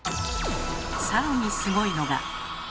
更にすごいのが。